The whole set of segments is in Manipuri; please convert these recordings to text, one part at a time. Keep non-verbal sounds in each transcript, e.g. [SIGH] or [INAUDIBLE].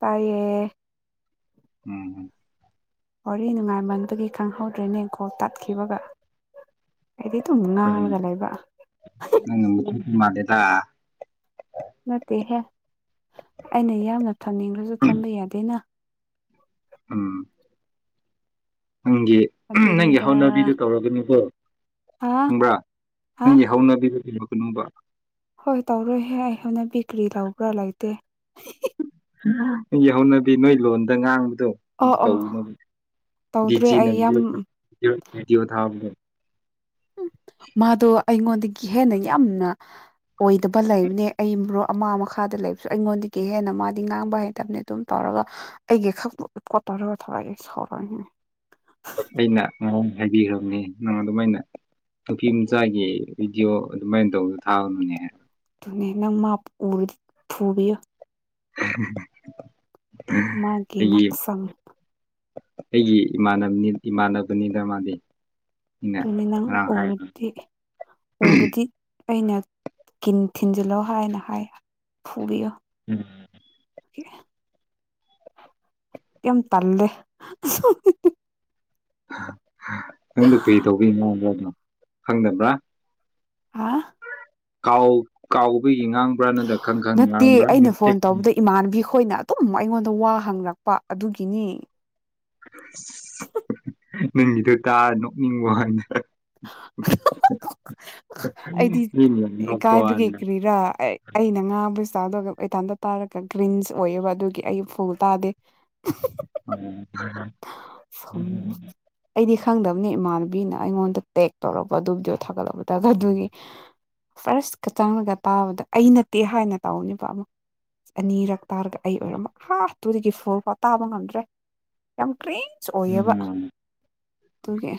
ꯇꯌꯦ ꯎꯝ ꯎꯝ ꯋꯥꯔꯤ ꯅꯨꯡꯉꯥꯏꯃꯟꯗꯒꯤ ꯈꯪꯍꯧꯗ꯭ꯔꯦꯅꯦꯈꯣꯜ ꯇꯥꯠꯈꯤꯕꯒ ꯑꯩꯗꯤ ꯑꯗꯨꯝ ꯍꯣꯏꯅꯦ ꯉꯥꯡꯔꯒ ꯂꯩꯕ ꯃꯥꯗꯦꯗ ꯅꯠꯇꯦꯍꯦ ꯑꯩꯅ ꯌꯥꯝꯅ ꯊꯝꯅꯤꯡꯂꯁꯨ ꯊꯝꯕ ꯌꯥꯗꯦꯅ ꯎꯝ ꯅꯪꯒꯤ ꯅꯪꯒꯤ ꯑꯗꯨꯅꯤꯗ ꯍꯧꯠꯅꯕꯤꯗꯨꯣ ꯇꯧꯔꯒꯅꯤꯀꯣ ꯑꯥ ꯈꯪꯕ꯭ꯔꯥ ꯑꯥ ꯅꯪꯒꯤ ꯍꯧꯅꯕꯤꯕꯔꯣ ꯀꯩꯅꯣꯕ꯭ꯔ ꯍꯣꯏ ꯇꯧꯔꯣꯏꯍꯦ ꯑꯩꯍꯣꯟꯅ ꯕꯤꯀ꯭ꯔꯤ ꯇꯧꯕ꯭ꯔꯥ ꯂꯩꯇꯦ ꯒꯤ ꯍꯧꯅꯗꯤ ꯅꯣꯏ ꯂꯣꯟꯗ ꯉꯥꯡꯕ ꯑꯗꯣ ꯑꯣ ꯑꯣ ꯇꯧꯅꯕ ꯇꯧꯗ꯭ꯔꯦ ꯗꯤꯖꯤꯅ ꯑꯩ ꯌꯥꯝ ꯚꯗꯤꯑꯣ ꯊꯥꯕꯅꯦ ꯎ ꯃꯥꯗꯣ ꯑꯩꯉꯣꯟꯗꯒꯤ ꯍꯦꯟꯅ ꯌꯥꯝꯅ ꯑꯣꯏꯗꯕ ꯂꯩꯕꯅꯦ ꯑꯩ ꯑꯃ ꯃꯈꯥꯗ ꯂꯩꯕꯁꯨ ꯑꯩꯉꯣꯟꯗꯒꯤ ꯍꯦꯟꯅ ꯃꯥꯗꯤ ꯉꯥꯡꯕ ꯍꯩꯇꯕꯅꯤ ꯑꯗꯨꯝ ꯇꯧꯔꯒ ꯑꯩꯒꯤ ꯈꯛ ꯔꯒ ꯊꯔꯒ ꯁꯧꯔ ꯑꯩꯅ ꯉ ꯍꯥꯏꯕꯤꯈ꯭ꯔꯕꯅꯤ ꯅꯪ ꯑꯗꯨꯃꯥꯏꯅ ꯅꯨꯄꯤ ꯃꯆꯥꯒꯤ ꯚꯗꯤꯑꯣ ꯑꯗꯨꯃꯥꯏꯅ ꯇꯧꯕꯗꯨ ꯊꯥꯕꯅꯨꯅꯦꯍ ꯑꯗꯨꯅꯦ ꯅꯪ ꯃꯥ ꯐꯨꯕꯤꯌꯣ [UNINTELLIGIBLE] [INAUDIBLE] ꯃꯥꯒꯤ ꯑꯩꯒꯤ ꯉꯛꯁꯪ ꯑꯩꯒꯤ ꯏꯃꯥꯟꯅꯕꯅꯤꯗ ꯃꯥꯥꯟꯜꯂꯤ ꯇꯅꯅ ꯑꯣꯗꯤ ꯑꯣꯔꯗꯤ ꯑꯩꯅ ꯀꯤꯟ ꯊꯤꯟꯖꯤꯜꯂꯣ ꯍꯥꯏꯅ ꯍꯥꯏ ꯐꯨꯕꯤꯌꯨ ꯎꯝ [UNINTELLIGIBLE] [INAUDIBLE] ꯀ ꯇꯜꯂꯦ ꯅꯪꯗꯨ ꯀꯔꯤ ꯇꯧꯕꯤ ꯃꯕ꯭ꯔꯗꯅꯣ ꯈꯪꯗꯕ꯭ꯔꯥ ꯍꯥ ꯀꯥꯎ ꯀꯥꯎꯕꯒꯤ ꯉꯥꯡꯕ꯭ꯔꯥ ꯅꯠꯇ꯭ꯔꯥ ꯈꯪ ꯈꯪ ꯉꯥꯡꯕ꯭ꯔꯥꯇꯦꯛ ꯑꯩꯈꯣꯏꯅ ꯑꯗꯨꯝ ꯑꯩꯉꯣꯟꯗ ꯋꯥ ꯍꯪꯉꯛꯄ ꯑꯗꯨꯒꯤꯅꯤ ꯅꯪꯒꯤꯗꯣ ꯇꯥ ꯅꯣꯛꯅꯤꯡ ꯋꯥꯗ ꯎ [UNINTELLIGIBLE] [INAUDIBLE] ꯑꯩꯗꯤ ꯋꯥꯅꯤꯗ ꯀꯥꯏꯕꯒꯈ꯭ꯔꯔꯤꯔꯥ ꯑꯩꯅ ꯉꯥꯕꯨꯕꯁꯤ ꯆꯥꯗ ꯑꯣꯏꯇꯥꯥꯟꯗ ꯇꯥꯔꯒ ꯒ꯭ꯔꯤꯟꯁ ꯑꯣꯏꯌꯦꯕ ꯑꯗꯨꯒꯤ ꯑꯩ ꯐꯨꯜ ꯇꯥꯗꯦ ꯁꯨꯝ ꯑꯩꯗꯤ ꯈꯪꯗꯕꯅꯤ ꯏꯃꯥꯅꯕ ꯅ ꯑꯩꯉꯣꯟꯗ ꯇꯦꯛ ꯇꯧꯔꯛꯄ ꯑꯗꯨꯕꯨꯗꯣ ꯊꯥꯒꯠꯂꯛꯄ ꯇ ꯑꯗꯨꯒꯤ ꯐꯥꯔꯁꯀ ꯆꯪꯉꯒ ꯇꯥꯕꯗ ꯑꯩ ꯅꯠꯇꯦ ꯍꯥꯏꯅ ꯇꯧꯅꯦꯕ ꯑꯃꯨꯛ ꯑꯅꯤꯔꯛ ꯇꯥꯔꯒ ꯑꯩ ꯑꯣꯏꯔꯝ ꯍꯥꯐꯇꯨꯗꯒꯤ ꯐꯣꯔ ꯐꯥꯎ ꯇꯥꯕ ꯉꯝꯗ꯭ꯔꯦ ꯌꯥꯝ ꯀ꯭ꯔꯤꯟꯁ ꯑꯣꯏꯌꯦꯕ ꯎꯝ ꯑꯗꯨꯒꯤ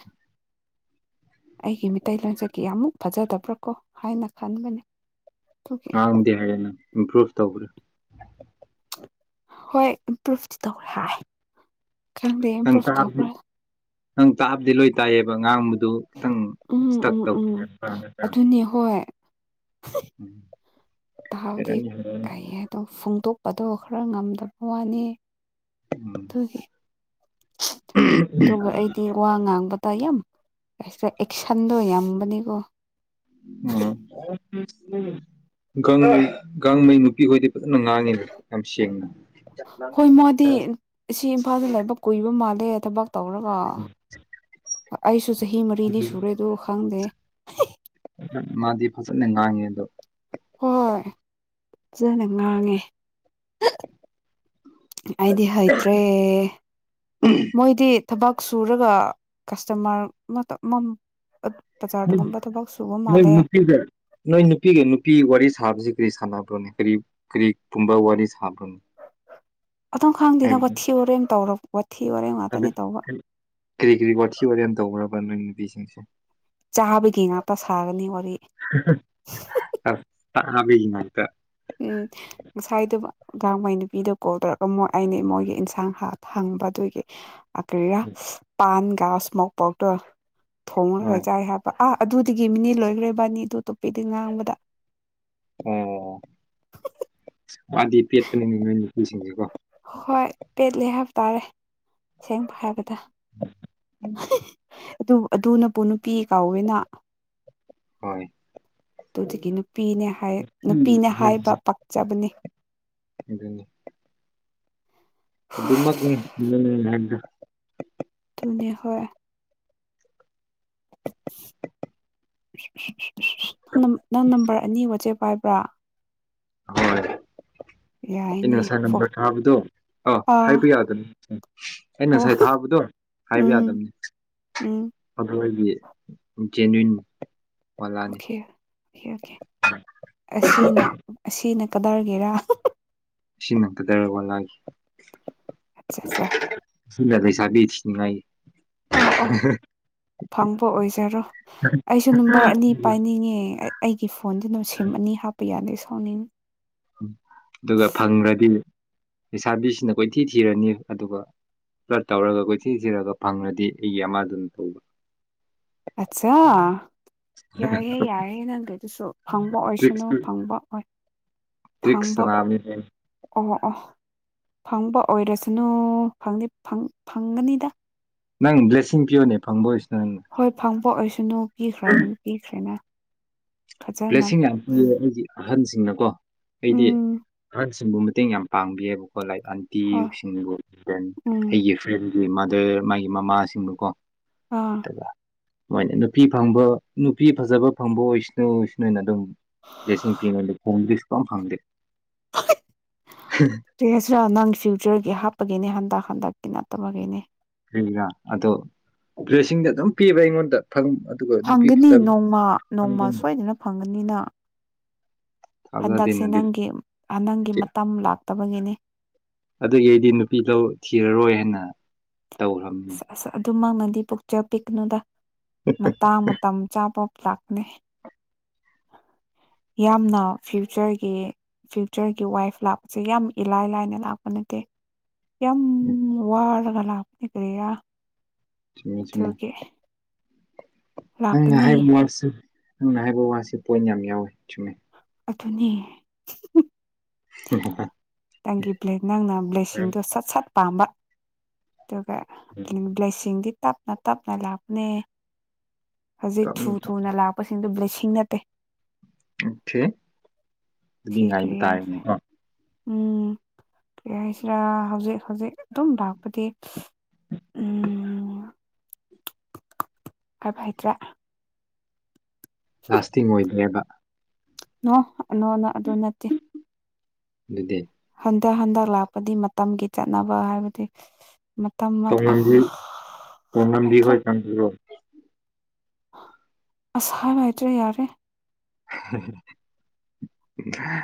ꯑꯩꯒꯤ ꯃꯤꯇꯩ ꯂꯂꯣꯟꯆꯀꯤ ꯑꯃꯃꯨꯛ ꯐꯖꯗꯕ꯭ꯔꯥꯀꯣ ꯍꯥꯏꯅ ꯈꯟꯕꯅꯦ ꯑꯗꯨꯒꯤ ꯍꯥꯡꯗꯤ ꯍꯥꯏꯌꯦꯦ ꯏꯝꯄ꯭ꯔꯨꯚ ꯇꯧꯈ꯭ꯔꯦ ꯍꯣꯏ ꯏꯝꯄ꯭ꯔꯨꯚꯇꯤ ꯇꯧꯔꯦ ꯍꯥꯏ ꯈꯪꯗꯦ ꯏꯝꯄ꯭ꯔꯨꯚ ꯅꯪꯥꯗꯤ ꯇꯧꯕ꯭ꯔꯥ ꯅꯪ ꯇꯥꯕꯗꯤ ꯂꯣꯏ ꯇꯥꯏꯌꯦꯕ ꯑꯥꯡꯕꯗꯤ ꯑꯗꯨ ꯈꯤꯇꯪ ꯎꯝ ꯏꯁꯇꯛ ꯎꯝ ꯇꯧꯋ ꯎꯝ ꯑꯗꯨꯅꯤ ꯍꯣꯏ ꯎꯝ ꯇꯍꯥꯎꯗꯤ ꯍꯩꯔꯅꯤ ꯍꯩꯔꯅꯤ ꯀꯩ ꯍꯥꯏꯗꯣ ꯐꯣꯡꯗꯣꯛꯄꯗꯣ ꯈꯔ ꯉꯝꯗꯕ ꯋꯥꯅꯤ ꯎꯝ ꯊꯦ ꯑꯗꯨꯒ ꯑꯩꯗꯤ ꯋꯥ ꯉꯥꯡꯕ ꯇ ꯌꯥꯝ ꯑꯦꯁꯟꯗꯣ ꯌꯥꯕꯅꯤꯀꯣ ꯎꯝ ꯒꯥꯡꯉꯩ ꯒꯥꯡꯉꯩ ꯅꯨꯄꯤꯈꯣꯏꯗꯤ ꯐꯖꯅ ꯉꯥꯡꯉꯤꯗ ꯌꯥꯝ ꯁꯦꯡꯅ ꯍꯣꯏ ꯃꯥꯗꯤ ꯁꯤ ꯏꯝꯐꯥꯜꯗ ꯂꯥꯏꯕꯛ ꯀꯨꯏꯕ ꯃꯥꯜꯂꯦ ꯊꯕꯛ ꯇꯧꯔꯒ ꯑꯩꯁꯨ ꯆꯍꯤ ꯃꯔꯤꯗꯤ ꯁꯨꯔꯦ ꯑꯗꯨ ꯈꯪꯗꯦ ꯃꯥꯗꯤ ꯐꯖꯅ ꯉꯥꯡꯉꯦ ꯑꯗꯣ ꯍꯣꯏ ꯐꯖꯅ ꯉꯥꯡꯉꯦ ꯑꯩꯗꯤ ꯍꯩꯇ꯭ꯔꯦ ꯃꯣꯏꯗꯤ ꯊꯕꯛ ꯁꯨꯔꯒ ꯀꯁꯇꯃꯔ ꯑꯃ ꯅꯣꯏ ꯅꯨꯄꯤꯒ ꯅꯣꯏ ꯅꯨꯄꯤꯒ ꯅꯨꯄꯤ ꯋꯥꯔꯤ ꯁꯥꯕꯁꯤ ꯀꯔꯤ ꯁꯥꯟꯅꯕ ꯀꯔꯤ ꯀꯔꯤꯒꯨꯝꯕ ꯋꯥꯔꯤ ꯁꯥꯕ꯭ꯔꯣꯅꯤ ꯑꯗꯨꯝ ꯈꯪꯗꯦ ꯅ ꯋꯥ ꯊꯤꯕꯣꯔꯦꯅ ꯇꯧꯔꯕ ꯑꯗꯨ ꯀꯔꯤ ꯀꯔꯤ ꯋꯥꯊꯤ ꯋꯥ ꯌꯥꯝ ꯇꯧꯈ꯭ꯔꯕ ꯅꯣꯏ ꯅꯨꯄꯤꯁꯤꯡꯁꯦ ꯆꯥꯕꯒꯤ ꯉꯥꯛꯇ ꯁꯥꯒꯅꯤ ꯋꯥꯔꯤ ꯇꯥꯕ ꯉꯛꯇ ꯉꯁꯥꯏꯗꯨ ꯑꯉꯥꯡ ꯃꯩ ꯅꯨꯄꯤꯗ ꯀꯣꯜ ꯇꯧꯔꯒ ꯃꯣꯏ ꯑꯩꯅ ꯃꯣꯏꯒꯤ ꯏꯟꯁꯥꯡ ꯍꯥ ꯊꯪꯕ ꯑꯗꯨꯒꯤ ꯀ ꯀꯔꯤꯒ ꯄꯥꯟꯒ ꯏꯁꯃꯣꯛ ꯄꯥꯎꯗꯔ ꯊꯣꯡꯉꯒ ꯍꯣꯏ ꯆꯥꯏ ꯍꯥꯏꯕ ꯑꯥ ꯑꯗꯨꯗꯒꯤ ꯃꯤꯅꯤ ꯂꯣꯏꯈ꯭ꯔꯦ ꯕꯥꯅꯤ ꯑꯗꯨ ꯑꯇꯣꯞꯄꯗꯤ ꯉꯥꯡꯕꯗ ꯑꯣ ꯃꯥꯗꯤ ꯄꯦꯠꯄꯅꯤ ꯃꯣꯏ ꯅꯨꯄꯤꯁꯤꯡꯁꯦꯀꯣ ꯍꯣꯏ ꯄꯦꯠꯂꯦ ꯍꯥꯏꯕ ꯇꯥꯔꯦ ꯁꯦꯡꯕ ꯍꯥꯏꯕꯗ ꯎꯝ ꯑꯗꯨ ꯑꯗꯨ ꯅꯄ ꯅꯨꯄꯤ ꯀꯥꯎꯋꯦꯅ ꯍꯣꯏ ꯑꯗꯨꯗꯒꯤ ꯅꯨꯄꯤꯅꯦ ꯎꯝ ꯅꯨꯄꯤꯅꯦ ꯍꯥꯏꯕ ꯄꯥꯛꯆꯕꯅꯤ ꯑꯗꯨꯅꯤ ꯑꯗꯨꯃꯛꯅꯤꯗ ꯑꯗꯨꯅꯤ ꯍ ꯅꯪ ꯅꯝꯕꯔ ꯑꯅꯤ ꯋꯥꯆꯦꯞ ꯄꯥꯏꯕ꯭ꯔ ꯍꯣꯏ ꯌꯥꯏꯅꯦ ꯏꯩꯅ ꯐꯣ ꯁꯅꯝꯕ꯭ꯔꯥꯎꯗꯨꯣ ꯑ ꯑꯥ ꯍꯥꯏꯕ ꯌꯥꯗꯕꯅꯤ ꯎ ꯑ ꯑꯣ ꯉꯁꯥꯏ ꯊꯥꯕꯗꯣ ꯍꯥꯏꯕ ꯎꯝ ꯌꯥꯗꯕꯅꯤ ꯎꯝ ꯑꯗꯨꯒꯤ ꯖꯦꯅꯋꯟ ꯑꯣꯦ ꯑꯣꯦ ꯑꯣꯀꯦ ꯑꯁꯤꯅ ꯑꯁꯤꯅ ꯀꯗꯥꯔꯒꯦꯔꯥ ꯁꯤ ꯅꯇꯗꯔꯕꯅ ꯑꯆꯥ ꯑꯆꯥ ꯗꯕꯤ ꯊꯤꯡꯉꯥꯏ ꯑ ꯑ ꯐꯪꯕ ꯑꯣꯏꯖꯔꯣ ꯑꯩꯁꯨ ꯅꯝꯕꯔ ꯑꯅꯤ ꯄꯥꯏꯅꯤꯡꯉꯦ ꯑꯩꯒꯤ ꯐꯣꯟꯁꯤꯅ ꯁꯤꯝ ꯑꯅꯤ ꯍꯥꯞꯄ ꯌꯥꯗꯦ ꯁꯥꯎꯅꯤꯡ ꯑꯗꯨꯒ ꯐꯪꯈ꯭ꯔꯗꯤ ꯂꯩꯁꯥꯕꯤꯁꯤꯅ ꯀꯣꯏꯊꯤ ꯊꯤꯔꯅꯤ ꯑꯗꯨꯒ ꯄꯨꯂꯠ ꯇꯧꯔꯒ ꯀꯣꯏꯊꯤꯟꯁꯤꯔꯒ ꯐꯪꯂꯗꯤ ꯑꯩꯒꯤ ꯑꯃꯗꯨꯅ ꯇꯧꯕ ꯑꯆꯥ ꯌꯥꯏꯑꯦ ꯌꯥꯏꯌꯦꯦ ꯅꯪ ꯀꯩꯗꯨꯁꯨ ꯐꯪꯕ ꯑꯣꯏꯁꯅꯨ ꯇ꯭ꯔꯤꯛꯁ ꯐꯪꯕ ꯑꯣꯏ ꯇ꯭ꯔꯤꯛꯁ ꯐꯝꯕ ꯁꯥꯟꯅꯕꯅꯤ ꯑꯣ ꯑꯣ ꯐꯪꯕ ꯑꯣꯏꯔꯁꯅꯨ ꯐꯪꯒꯅꯤꯗ ꯅꯪ ꯕ꯭ꯂꯦꯁꯤꯡ ꯄꯣꯅꯦ ꯐꯪꯕꯣꯣꯏ ꯏꯁꯅ ꯍꯣꯏ ꯐꯪꯕ ꯑꯣꯏꯁꯅꯨ ꯄꯤꯈ꯭ꯔꯣ ꯑꯗꯨꯝ ꯄꯤꯈ꯭ꯔꯦꯅ ꯐꯖꯅ ꯄ꯭ꯂꯦꯁꯁꯤꯡ ꯌꯥꯝ ꯄ ꯑꯩꯒꯤ ꯑꯍꯟꯁꯤꯡꯅꯀꯣ ꯑꯩꯗꯤ ꯎꯝ ꯑꯍꯟꯁꯤꯡ ꯁꯨꯝꯕ ꯃꯇꯦꯡ ꯌꯥꯝ ꯄꯥꯡꯕꯤꯌꯦꯕꯀꯣ ꯂꯥꯏꯛ ꯍꯣꯏ ꯑꯟꯇꯤꯁꯤꯡꯕꯨ ꯐꯦꯟ ꯎꯝ ꯑꯩꯒꯤ ꯐ꯭ꯔꯦꯟ ꯃꯥꯗꯦ ꯃꯥꯒꯤ ꯃꯃꯥꯁꯤꯡꯗꯨꯀꯣ ꯑꯥ ꯃꯣꯏꯅꯦ ꯅꯨꯄꯤ ꯐꯪꯕ ꯅꯨꯄꯤ ꯐꯖꯕ ꯐꯪꯕ ꯑꯣꯏꯁꯅꯨ ꯁꯅꯨꯅ ꯑꯗꯨꯝ ꯁꯤꯡ ꯄꯤꯉꯗ ꯍꯣꯡꯗꯩꯁꯨ ꯀ ꯐꯪꯗꯦ ꯁꯁꯤꯔ ꯅꯪ ꯐ꯭ꯌꯨꯆꯔꯒꯤ ꯍꯥꯞꯄꯒꯤꯅꯦ ꯍꯟꯗꯛ ꯍꯟꯗꯛ ꯇ ꯅꯠꯇꯕꯒꯅꯦ ꯔ ꯑꯗꯣ ꯄ꯭ꯔꯦꯁꯤꯡꯗ ꯑꯗꯨꯝ ꯄꯤꯕ꯭ꯔꯥ ꯑꯩꯉꯣꯟꯗ ꯐꯝ ꯑꯗꯨꯒ ꯅꯨꯄꯤ ꯐꯪꯒꯅꯤ ꯐꯆꯥꯔ ꯅꯣꯡꯃ ꯅꯣꯡꯃ ꯁꯣꯏꯗꯅ ꯐꯪꯒꯅꯤꯅ ꯍꯟꯗꯛꯁꯦ ꯅꯪꯒꯤ ꯅꯪꯒꯤ ꯃꯇꯝ ꯂꯥꯛꯇꯕꯒꯤꯅꯤ ꯑꯗꯨꯒꯤ ꯑꯩꯗꯤ ꯅꯨꯄꯤ ꯂꯧ ꯊꯤꯔꯔꯣꯏ ꯍꯥꯏꯅ ꯇꯧꯈ꯭ꯔꯕꯅꯤ ꯑꯁ ꯑꯁ ꯑꯗꯨꯃꯛꯅꯗꯤ ꯄꯣꯛꯆ ꯄꯤꯛꯅꯨꯗ ꯃꯇꯥꯡ ꯃꯇꯝ ꯆꯥꯕ ꯂꯥꯛꯅꯦ [UNINTELLIGIBLE] ꯌꯥꯝꯅ ꯐ꯭ꯌꯨꯆꯔꯒꯤ ꯐ꯭ꯌꯨꯆꯔꯒꯤ ꯋꯥꯏꯐ ꯂꯥꯛꯄꯁꯦ ꯌꯥꯝ ꯏꯂꯥꯏ ꯂꯥꯏꯅ ꯂꯥꯛꯄ ꯅꯠꯇꯦ ꯎꯝ ꯍꯔꯒꯂꯞ ꯅꯤ ꯀ꯭ꯔꯌꯥ ꯁꯤ ꯊꯉ ꯅꯪꯅ ꯂꯥꯛꯀꯅꯤ ꯍꯥꯏꯕ ꯋꯥꯁꯤ ꯅꯪꯅ ꯍꯥꯏꯕ ꯋꯥꯁꯤꯦ ꯄꯣꯏꯟ ꯌꯥꯝ ꯌꯥꯎꯋꯦ ꯆꯨꯝ ꯑꯗꯨꯅꯤ ꯅꯪꯒꯤ ꯅꯪꯅ ꯕ꯭ꯂꯦꯁꯤꯡꯗꯨꯣ ꯁꯠ ꯁꯠ ꯄꯥꯝꯕ ꯑꯗꯨꯒ ꯑꯗꯨ ꯕ꯭ꯂꯦꯁꯤꯡꯗꯤ ꯇꯞꯅ ꯇꯞꯅ ꯂꯥꯛꯄꯅꯦ ꯍꯧꯖꯤꯛ ꯊꯨ ꯊꯨꯅ ꯂꯥꯛꯄꯁꯤꯡꯗꯨ ꯕ꯭ꯂꯤꯁꯤꯡ ꯅꯠꯇꯦ ꯁꯤ ꯑꯣꯦꯉꯥꯏ ꯀꯔꯤ ꯇꯥꯔꯅꯤ ꯍꯥꯏꯁꯦ ꯎꯝ ꯀꯔꯤ ꯍꯥꯏꯁꯤꯔꯥ ꯍꯧꯖꯤꯛ ꯍꯧꯖꯤꯛ ꯑꯗꯨꯝ ꯂꯥꯛꯄꯗꯤ ꯎꯝ [UNINTELLIGIBLE] ꯀꯥꯏꯚꯥꯏꯇ꯭ꯔꯥ ꯂꯥꯁꯇꯤꯡ ꯑꯣꯏꯗ꯭ꯔꯦꯕ ꯅ ꯅꯣꯅ ꯑꯗꯨ ꯅꯠꯇꯦ ꯑꯗꯨꯗꯤ ꯍꯟꯗꯛ ꯍꯟꯗꯛ ꯂꯥꯛꯄꯗꯤ ꯃꯇꯝꯒꯤ ꯆꯠꯅꯕ ꯍꯥꯏꯕꯗꯤ ꯃꯇꯝ ꯇꯣꯉꯝꯕꯤ ꯇꯣꯉꯝꯕꯤ ꯑꯕꯠꯇ꯭ꯔꯦ ꯍꯣꯏ ꯀꯥꯡꯕꯨꯔꯣ ꯑꯁꯍꯥꯏ ꯏꯇꯔꯦ ꯌꯥꯔꯦ ꯍ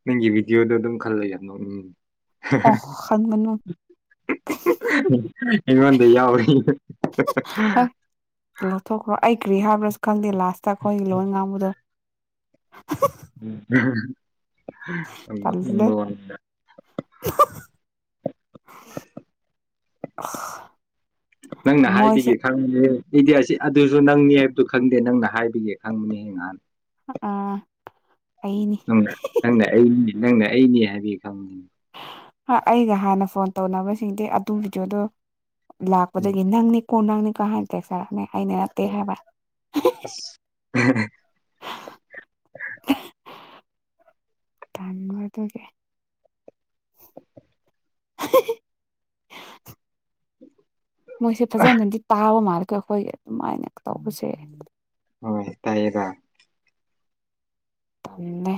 ꯎ ꯅꯪꯒꯤ ꯚꯤꯗꯤꯑꯣꯗ ꯑꯗꯨꯝ ꯈꯜꯂꯒꯅꯣ ꯎꯝ ꯑꯣꯐ ꯈꯪꯒꯅꯨ ꯑꯩꯉꯣꯟꯗ ꯌꯥꯎꯔꯤ ꯍꯣꯏ ꯂꯧꯊꯣꯛꯈ꯭ꯔꯣ ꯑꯩ ꯀ꯭ꯔꯤ ꯍꯥꯏꯕ꯭ꯔꯥꯁꯨ ꯈꯪꯗꯦ ꯂꯥꯁꯇ ꯑꯩꯈꯣꯏꯒꯤ ꯂꯣꯏ ꯉꯥꯡꯕꯗꯣ ꯎꯝ ꯇꯜꯂꯦ ꯃꯟꯕ ꯋꯥ ꯐ ꯑ ꯅꯪꯅ ꯍꯥꯏꯕꯤꯒꯦ ꯈꯪꯉꯦ ꯏꯗꯤ ꯑꯁꯤ ꯑꯗꯨꯁꯨ ꯅꯪꯅꯤ ꯍꯥꯏꯕꯗꯨꯣ ꯈꯪꯗꯦ ꯅꯪꯅ ꯍꯥꯏꯕꯒꯦ ꯈꯪꯕꯅꯦꯍ ꯉꯍꯥꯟ ꯑꯥ ꯑꯩꯅꯤ ꯅꯪ ꯅꯪꯅ ꯑꯩꯅꯤ ꯅꯪꯅ ꯑꯩꯅꯤ ꯍꯥꯏꯗꯤ ꯈꯪꯅꯤꯡꯤ ꯑꯩꯒ ꯍꯥꯟꯅ ꯐꯣꯟ ꯇꯧꯅꯕꯁꯤꯡꯗꯤ ꯑꯗꯨꯒꯤꯗꯨꯗꯣ ꯎꯝ ꯂꯥꯛꯄꯗꯒꯤ ꯅꯪꯅꯤ ꯀꯣꯟ ꯅꯪꯅꯤ ꯀꯍꯥꯟ ꯇ ꯆꯔꯅꯦ ꯍꯥꯏꯅꯦꯔꯠꯇꯦ ꯍꯥꯏꯕ ꯑꯁ [UNINTELLIGIBLE] ꯀꯥꯟꯃꯔꯗ ꯀꯦ [UNINTELLIGIBLE] ꯃꯣꯏꯁꯦ ꯐꯖꯅꯗꯤ ꯇꯥꯕ ꯃꯥꯜꯂꯀꯦ ꯑꯩꯈꯣꯏꯒꯤ ꯑꯗꯨꯃꯥꯏꯅ ꯇꯧꯕꯁꯦ ꯍꯣꯏ ꯇꯥꯏꯌꯦꯒ ꯑꯃꯦ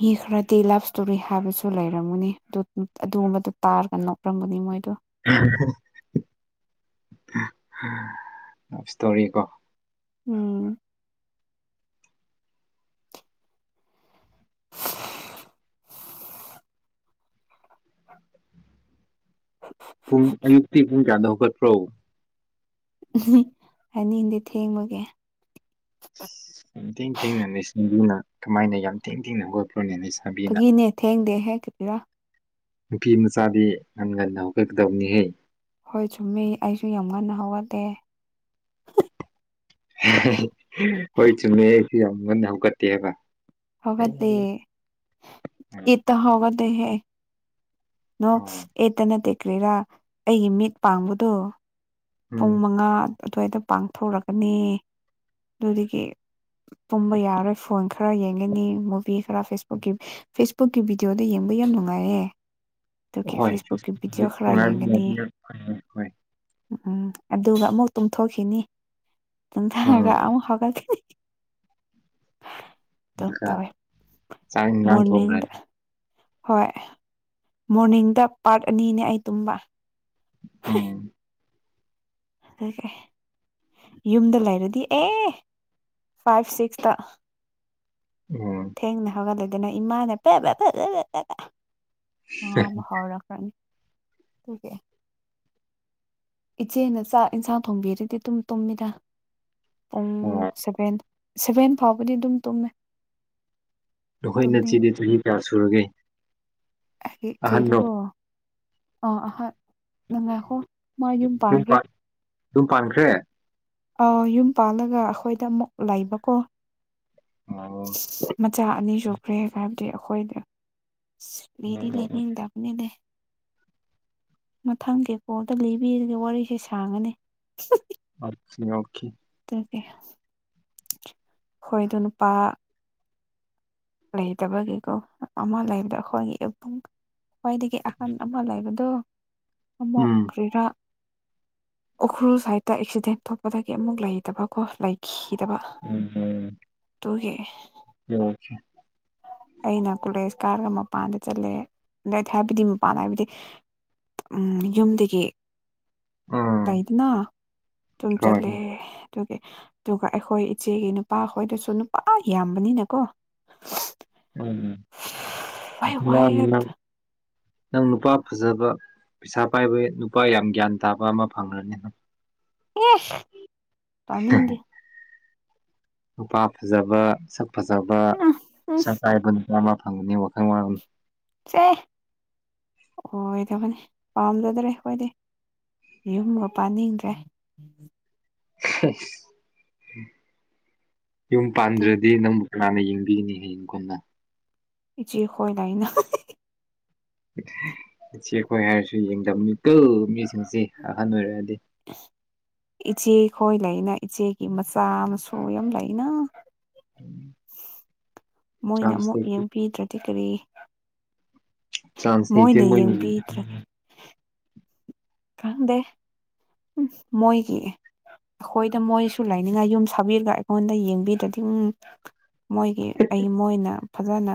ꯃꯤ ꯈꯔꯗꯤ ꯂꯞ ꯏꯁꯇꯣꯔꯤ ꯍꯥꯏꯕꯁꯨ ꯂꯩꯔꯝꯒꯨꯅꯤ ꯑꯗꯨ ꯑꯗꯨꯒꯨꯝꯕꯗꯨ ꯇꯥꯔꯒ ꯅꯣꯛꯂꯝꯝꯒꯅꯤ ꯃꯣꯏꯗꯣ [UNINTELLIGIBLE] ꯂꯞ ꯏꯁꯇꯣꯔꯤ ꯀꯣ ꯎꯝ [UNINTELLIGIBLE] ꯄꯨꯡ ꯑꯌꯨꯛꯇꯤ ꯄꯨꯡ ꯀꯌꯥꯗ ꯍꯧꯒꯠꯈ꯭ꯔꯣ ꯎ ꯍꯥꯏꯅꯤꯗꯤ ꯊꯦꯡꯃꯒꯦ ꯌꯥꯝ ꯊꯦꯡ ꯊꯦꯡꯅ ꯅꯤꯡꯁꯤꯡꯗꯨꯅ ꯀꯃꯥꯏꯅ ꯌꯥꯝ ꯊꯦꯡ ꯊꯦꯡꯅ ꯍꯕ ꯐꯥꯒꯤꯅꯦ ꯊꯦꯡꯗꯦ ꯍꯦꯛꯛꯇꯗꯔꯥ ꯅꯨꯄꯤ ꯃꯆꯥꯗꯤ ꯉꯟ ꯉꯟꯅ ꯍꯧꯒꯠꯀꯗꯕꯅꯤꯍꯩ ꯍꯗ ꯍꯣꯏ ꯆꯨꯝꯃꯤ ꯑꯩꯁꯨ ꯌꯥꯝ ꯉꯟꯅ ꯍꯧꯒꯠꯇꯦ ꯍꯥꯏꯕ ꯍꯒꯗꯦ ꯏꯠꯇ ꯍꯒꯗꯦꯦ ꯅꯣ ꯑꯣ ꯑꯦꯇ ꯅ ꯇꯦꯀ꯭ꯦꯔꯥ ꯑꯩꯒꯤ ꯃꯤꯠ ꯄꯥꯡꯕꯗꯨꯣ ꯄꯨꯡ ꯎꯝ ꯃꯉꯥ ꯑꯗꯨꯋꯥꯏꯗ ꯄꯥꯡꯊꯣꯛꯣꯔꯒꯅꯤ ꯑꯗꯨꯗꯒꯤ ꯄꯨꯝꯕ ꯌꯥꯔꯣꯏ ꯐꯣꯟ ꯈꯔ ꯌꯦꯡꯒꯅꯤ ꯃꯨꯚꯤ ꯈꯔ ꯐꯦꯁꯕꯨꯛꯀꯤ ꯐꯦꯁꯕꯨꯛꯀꯤ ꯚꯤꯗꯤꯑꯣꯗ ꯌꯦꯡ ꯕꯨ ꯌꯥꯝ ꯅꯨꯡꯉꯥꯏꯔꯦ ꯑꯗꯨꯒꯤ ꯍꯣꯏ ꯐꯦꯁꯕꯨꯛꯀꯤ ꯚꯤꯗꯤꯑꯣ ꯈꯔ ꯌꯦꯡꯒꯅꯤ ꯍꯣꯏ ꯎꯝ ꯎꯝ ꯑꯗꯨꯒ ꯑꯃꯨꯛ ꯇꯨꯝꯊꯣꯛꯈꯤꯅꯤ ꯇꯨꯝꯊꯑꯒ ꯎꯝ ꯑꯃꯨꯛ ꯍꯧꯒꯠꯈꯤꯅꯤ ꯇ ꯑꯗꯨꯒ ꯇꯋꯦ ꯆꯥꯛ ꯏꯟꯖꯥꯡ ꯊꯣꯡꯈ꯭ꯔꯅꯤ ꯍꯣꯏ ꯃꯣꯔꯅꯤꯡꯗ ꯄꯥꯔꯠ ꯑꯅꯤꯅꯦ ꯑꯩ ꯇꯨꯝꯕ ꯑ ꯑꯗꯨꯀꯦ ꯌꯨꯝꯗ ꯂꯩꯔꯗꯤ ꯑꯦ ꯐꯥꯏꯚ ꯁꯤꯛꯁꯇ ꯎꯝ ꯊꯦꯡꯅꯦ ꯍꯒꯂꯗꯦꯅ ꯏꯃꯥꯅꯦ ꯑ ꯍꯥꯎꯔ ꯀ ꯊ ꯀ ꯏꯆꯦꯅ ꯆꯥꯛ ꯏꯟꯁꯥꯡ ꯊꯣꯡꯕꯤꯔꯗꯤ ꯑꯗꯨꯨꯝ ꯇꯨꯝꯃꯤꯗ ꯄꯨꯡ ꯑꯣ ꯁꯚꯦꯟ ꯁꯚꯦꯟ ꯐꯥꯎꯕꯗꯤ ꯑꯗꯨꯝ ꯇꯨꯝꯃꯦ ꯅꯈꯣꯏ ꯇꯨꯝꯅꯤꯡ ꯅꯆꯤꯗꯤ ꯆꯍꯤꯨ ꯀꯌꯥ ꯁꯨꯔꯒꯦ ꯑꯍꯟꯔꯣ ꯆꯀꯣ ꯑ ꯑ ꯅꯪ ꯉꯥꯏꯈꯣ ꯃꯥ ꯌꯨꯝ ꯄꯥꯟꯈ꯭ꯔꯦ ꯑꯗꯨꯝ ꯄꯥꯟꯈ꯭ꯔꯦ ꯑꯥ ꯌꯨꯝ ꯄꯥꯜꯂꯒ ꯑꯩꯈꯣꯏꯗ ꯑꯃꯨꯛ ꯂꯩꯕꯀꯣ ꯑꯣ ꯃꯆꯥ ꯑꯅꯤ ꯁꯨꯈ꯭ꯔꯦ ꯍꯥꯏꯕꯗꯤ ꯑꯩꯈꯣꯏꯗ ꯂꯩꯔꯤ ꯑꯣꯀꯦ ꯂꯩꯅꯤꯗꯅꯦ ꯂꯩ ꯃꯊꯪ ꯀꯦꯀꯗ ꯂꯤꯕꯤꯔꯒ ꯋꯥꯔꯤꯁꯦ ꯁꯥꯡꯉꯅꯤ ꯑꯔꯅꯦ ꯑꯣꯈꯤ ꯍꯣꯏꯗꯣ ꯅꯨꯄꯥ ꯂꯩꯇꯕꯒꯤꯀꯣ ꯑꯃ ꯂꯩꯕꯗ ꯑꯩꯈꯣꯏꯒꯤꯕꯨꯡ ꯈ꯭ꯋꯥꯏꯗꯒꯤ ꯑꯍꯟ ꯑꯃ ꯂꯩꯕꯗꯣ ꯑꯃꯨꯛ ꯎꯝ ꯀꯔꯤꯔꯥꯛ ꯎꯈ꯭ꯔꯨꯜ ꯁꯥꯏꯠꯇ ꯑꯦꯛꯁꯤꯗꯦꯟ ꯊꯣꯛꯄꯗꯒꯤ ꯑꯃꯨꯛ ꯂꯩꯇꯕꯀꯣ ꯂꯩꯈꯤ ꯀꯗꯕ ꯇꯨꯡ ꯍꯦ ꯌꫭꯒꯤ ꯑꯩꯅ ꯀꯣꯂꯦꯖ ꯀꯥꯔꯒ ꯃꯄꯥꯟꯗ ꯆꯠꯂꯦ ꯑꯗ ꯍꯥꯏꯕꯗꯤ ꯃꯄꯥꯟꯗ ꯍꯥꯏꯕꯗꯤ ꯎ ꯌꯨꯝꯗꯒꯤ ꯎꯝ ꯂꯩꯗꯅ ꯁꯨꯝ ꯍꯣꯏ ꯆꯠꯂꯦ ꯑꯗꯨ ꯑꯗꯨꯒ ꯑꯩꯈꯣꯏ ꯏꯆꯦꯒꯤ ꯅꯨꯄꯥꯍꯣꯏꯗꯁꯨ ꯅꯨꯄꯥ ꯌꯥꯝꯕꯅꯤꯅꯀꯣ ꯎꯝ ꯋꯥꯏ ꯃꯥ ꯋꯥꯏ ꯅꯪ ꯅꯨꯄꯥ ꯐꯖꯕ ꯄꯩꯁꯥ ꯄꯥꯏꯕꯒꯤ ꯅꯨꯄꯥ ꯌꯥꯝ ꯒ꯭ꯌꯥꯟ ꯇꯥꯕ ꯑꯃ ꯐꯪꯂꯈꯅꯤ ꯅꯪ ꯌꯦꯁ ꯇꯅꯤꯗꯤꯦ ꯅꯨꯄꯥ ꯐꯖꯕ ꯁꯛ ꯐꯖꯕ ꯎꯝ ꯎꯝ ꯁ ꯀꯥꯏꯕꯅ ꯃꯥ ꯑꯃ ꯐꯪꯒꯅꯤ ꯋꯥꯈꯪ ꯋꯥꯜ ꯁꯦ ꯑꯣꯏꯗꯕꯅꯤ ꯄꯥꯝꯖꯗ꯭ꯔꯦ ꯍꯣꯏꯗꯤ ꯌꯨꯝꯒ ꯄꯥꯅꯤꯡꯗ꯭ꯔꯦ ꯌꯨꯝ ꯑꯗꯨꯝ ꯄꯥꯟꯗ꯭ꯔꯗꯤ ꯅꯪ ꯀꯅꯥꯅ ꯌꯦꯡꯕꯤꯒꯅꯤ ꯍꯌꯦꯡ ꯀꯣꯟꯅ ꯏꯆꯦ ꯍꯣꯏ ꯂꯏꯅ ꯏꯆꯦ ꯑꯩꯈꯣꯏ ꯍꯥꯏꯔꯁꯨ ꯌꯦꯡꯗꯝꯕꯅꯤ ꯀꯜ ꯃꯤꯁꯤꯡꯁꯤ ꯑꯍꯟ ꯑꯣꯏꯔꯛꯑꯗꯤ ꯏꯆꯦ ꯈꯣꯏ ꯂꯩꯅ ꯏꯆꯦꯒꯤ ꯃꯆꯥ ꯃꯁꯨ ꯌꯥꯝ ꯂꯩꯅ ꯎꯝ ꯃꯣꯏꯅ ꯑꯃꯨꯛ ꯌꯦꯡꯕꯤꯗ꯭ꯔꯗꯤ ꯀꯔꯤ ꯆꯥꯟꯁ ꯂꯩꯇꯦ ꯃꯣꯏꯅ ꯃꯣꯏꯅꯤ ꯌꯦꯡꯕꯤꯗ꯭ꯔꯒꯦ ꯀꯥꯟꯗꯦ ꯎ ꯃꯣꯏꯒꯤ ꯑꯩꯈꯣꯏꯗ ꯃꯣꯏꯁꯨ ꯂꯥꯏꯅꯤꯡꯉꯥꯏ ꯌꯨꯝ ꯁꯥꯕꯤꯔꯒ ꯑꯩꯉꯣꯟꯗ ꯌꯦꯡꯕꯤꯗꯗꯤꯝ ꯃꯣꯏꯒꯤ ꯑꯩ ꯃꯣꯏꯅ ꯐꯖꯅ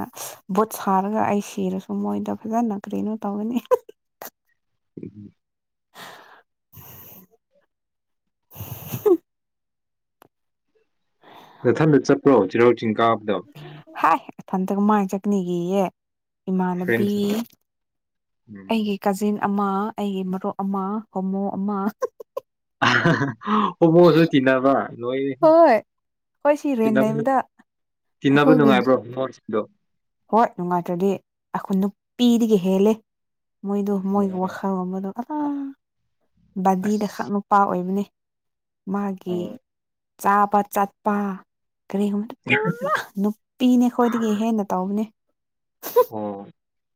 ꯕꯨꯠ ꯁꯥꯔꯒ ꯑꯩ ꯁꯤꯔꯁꯨ ꯃꯣꯏꯗ ꯐꯖꯅ ꯀꯩꯅꯣ ꯇꯧꯒꯅꯤ ꯎꯝ [INAUDIBLE] ꯅꯊꯟꯗ ꯆꯠꯄ꯭ꯔꯣ ꯆꯤꯔꯥꯎ ꯆꯤꯡ ꯀꯥꯕꯗ ꯏꯊꯟꯇꯒ ꯃꯥꯏꯅ ꯆꯠꯅꯤꯒꯤꯑ ꯏꯃꯥꯟꯅꯕꯤ ꯐ꯭ꯔꯦꯟꯁꯤꯡꯒ ꯎꯝ ꯑꯩꯒꯤ ꯀꯖꯤꯟ ꯑꯃ ꯑꯩꯒꯤ ꯃꯔꯨꯞ ꯑꯃ ꯍꯣꯃꯨ ꯑꯃ ꯎꯃꯣꯁꯨ ꯇꯤꯟꯅꯅꯕ ꯂꫭꯏ ꯍꯣꯏ ꯍꯣꯏ ꯁꯤ ꯔꯦꯟ ꯀ ꯂꯩꯕꯗ ꯇꯤꯟꯅꯕ ꯑꯩꯈꯣꯏꯒꯤ ꯅꯨꯡꯉꯥꯏꯕ꯭ꯔꯣ ꯃꯣꯁꯤꯡꯗꯣ ꯍꯣꯏ ꯅꯨꯡꯉꯥꯏꯇ꯭ꯔꯗꯤ ꯑꯩꯈꯣꯏ ꯅꯨꯄꯤꯗꯒꯤ ꯍꯦꯜꯂꯦ ꯃꯣꯏꯗꯣ ꯃꯣꯏꯒꯤ ꯑꯣ ꯋꯥꯈꯜꯂꯣꯟꯕꯗꯣ ꯑꯥ ꯕꯥꯗꯤꯗ ꯈꯛ ꯑꯁ ꯅꯨꯄꯥ ꯑꯣꯏꯕꯅꯦ ꯃꯥꯒꯤ ꯑꯣ ꯆꯥꯕ ꯆꯠꯄ ꯀꯔꯤꯒꯨꯝꯕꯗ ꯄꯨꯔꯥ ꯅꯨꯄꯤꯅꯦ ꯑꯩꯈꯣꯏꯗꯒꯤ ꯍꯦꯟꯅ ꯇꯧꯕꯅꯦ ꯑꯣ